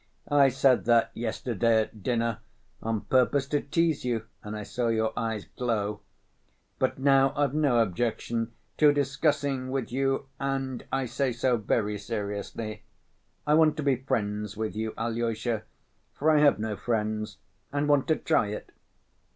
"I said that yesterday at dinner on purpose to tease you and I saw your eyes glow. But now I've no objection to discussing with you, and I say so very seriously. I want to be friends with you, Alyosha, for I have no friends and want to try it.